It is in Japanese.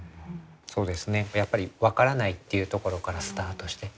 そうですねやっぱり分からないっていうところからスタートして。